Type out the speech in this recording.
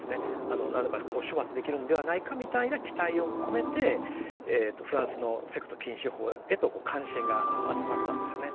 何らかの処罰できるんではないかみたいな期待を込めてフランスのセクト禁止法へとこう関心が集まったんですよね。